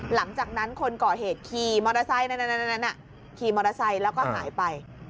หลังจากนั้นคนเกาะเหตุขี่มอเตอร์ไซค์แล้วก็หายไป